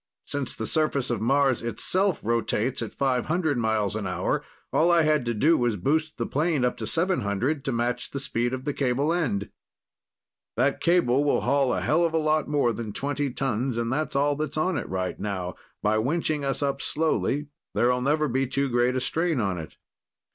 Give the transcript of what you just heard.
Since the surface of Mars itself rotates at 500 miles an hour, all I had to do was boost the plane up to 700 to match the speed of the cable end. "That cable will haul a hell of a lot more than twenty tons, and that's all that's on it right now. By winching us up slowly, there'll never be too great a strain on it."